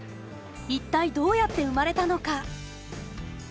一体どうやって生まれたのか。